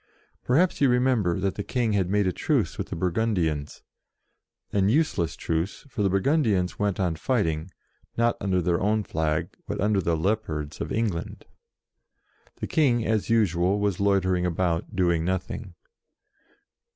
Perhaps you remember that the King had made a truce with the Burgundians an useless truce, for the Burgundians went on fighting, not under their own flag, but under the Leopards of England. The King, as usual, was loitering about, doing nothing.